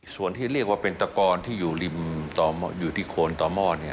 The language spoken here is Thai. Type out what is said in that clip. ส่วนที่เรียกว่าเป็นตะกอนที่อยู่ที่โคนต่อหม้อ